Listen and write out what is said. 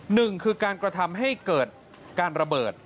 หนึ่งคือการกระทำให้เกิดการระเบิด